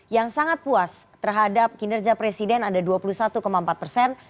yang sangat puas terhadap kinerja presiden ada dua puluh satu empat persen